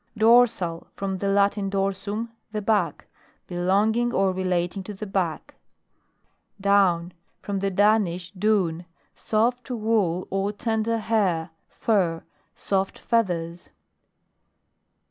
DORSAL. From the Latin, dorsum, the back. Belonging or relating to the back. DOWN. From the Danish, duun. Soft wool, or tender hair, fur. Soft feathers.